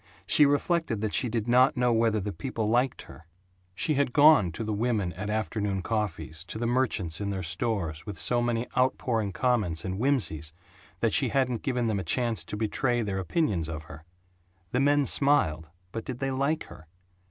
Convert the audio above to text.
She reflected that she did not know whether the people liked her. She had gone to the women at afternoon coffees, to the merchants in their stores, with so many outpouring comments and whimsies that she hadn't given them a chance to betray their opinions of her. The men smiled but did they like her?